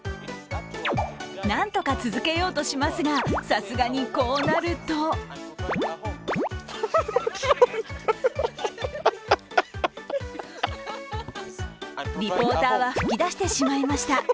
なんとか続けようとしますがさすがにこうなるとリポーターは噴き出してしまいました。